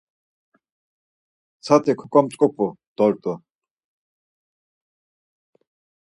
Ntsati ǩoǩomtzupu dort̆u.